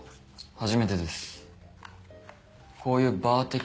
初めてです。